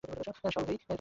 শাও হেই, এখানে ফিরে আসো!